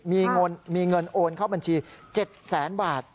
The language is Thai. มีเงินโอนเข้าบัญชี๗แสนบาท